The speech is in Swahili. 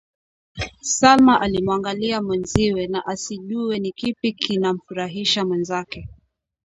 Salma alimwangalia mwenziwe na asijuwe ni kipi kinamfurahisha mwenzake